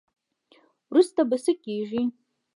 وروسته به څه کیږي.